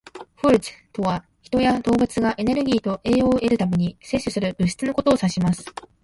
"Food" とは、人や動物がエネルギーと栄養を得るために摂取する物質のことを指します。